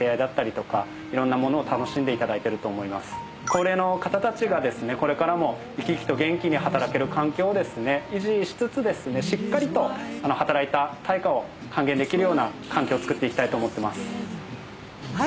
高齢の方たちがこれからも生き生きと元気に働ける環境を維持しつつしっかりと働いた対価を還元できるような環境をつくっていきたいと思ってます。